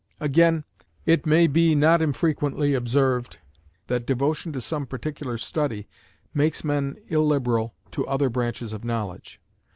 Again, it may be not infrequently observed that devotion to some particular study makes men illiberal to other branches of knowledge.